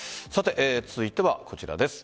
続いてはこちらです。